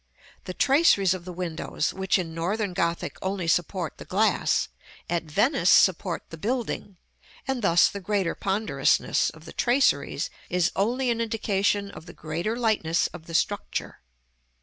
The traceries of the windows, which in Northern Gothic only support the glass, at Venice support the building; and thus the greater ponderousness of the traceries is only an indication of the greater lightness of the structure.